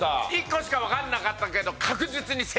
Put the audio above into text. １個しかわかんなかったけど。